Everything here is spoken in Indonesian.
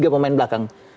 tiga pemain belakang